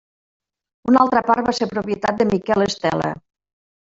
Una altra part va ser propietat de Miquel Estela.